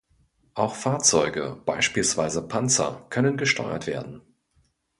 Auch Fahrzeuge, beispielsweise Panzer, können gesteuert werden.